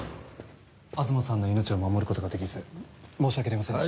東さんの命を守る事ができず申し訳ありませんでした。